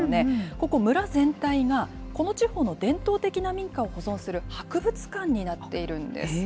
ここ、村全体がこの地方の伝統的な民家を保存する博物館になっているんです。